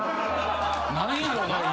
何やろな？